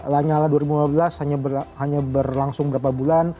lanyala dua ribu lima belas hanya berlangsung berapa bulan